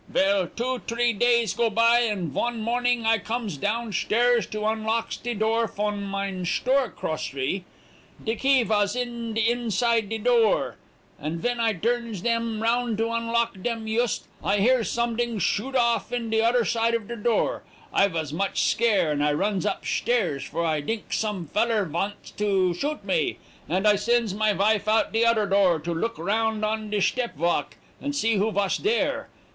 Vell, two tree days go by, and von morning I comes down shtairs to unlocks de door fon mine shtore crocery. De key vas in de inside de door, and ven I durns dem round to unlock dem yust, I hears some dings shoot off on de oder side de door. I vas much scare, and I runs up shtairs, for I dinks some feller vants to shoot me, and I sends my vife out de oder door to look round on de shtep walk, and see who vas dere.